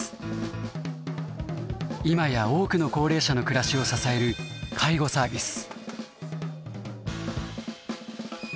今や多くの高齢者の暮らしを支える介護サービス。